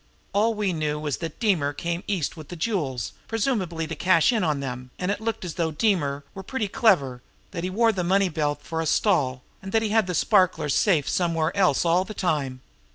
All we knew was that Deemer came East with the jewels, presumably to cash in on them, and it looked as though Deemer were pretty clever; that he wore the money belt for a stall, and that he had the sparklers safe somewhere else all the time.